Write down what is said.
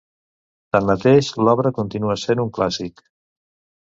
Tanmateix, l'obra continua sent un clàssic.